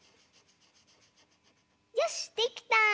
よしっできた！